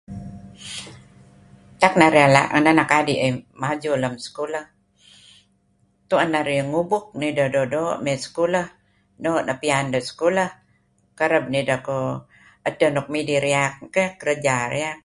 Tak narih ela' ngen anak adi' iih maju lem sekulah, tu'en narih ngubuk nideh doo'-doo' nideh mey sekulah. Kereb nideh kuh edteh nuk midih riak neh keyh. Kereja riak.